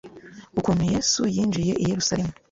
Ukuntu Yesu yinjiye i Yerusalemu